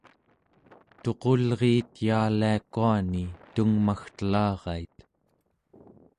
tuqulriit yaaliakuani tungmagtelarait